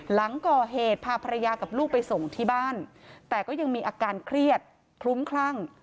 หลังก่อเหตุพาภรรยากับลูกไปส่งที่บ้านแต่ก็ยังมีอาการเครียดคลุ้มคลั่ง